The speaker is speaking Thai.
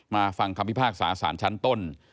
ฟังคำพิพากษาสารชั้นต้น